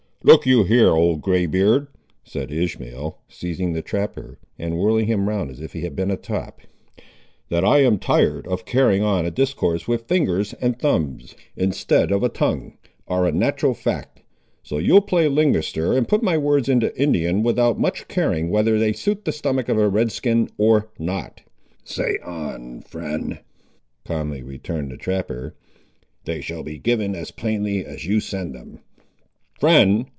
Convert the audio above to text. "Look you here, old grey beard," said Ishmael, seizing the trapper, and whirling him round as if he had been a top; "that I am tired of carrying on a discourse with fingers and thumbs, instead of a tongue, ar' a natural fact; so you'll play linguister and put my words into Indian, without much caring whether they suit the stomach of a Red skin or not." "Say on, friend," calmly returned the trapper; "they shall be given as plainly as you send them." "Friend!"